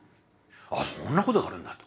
ああそんなことがあるんだと。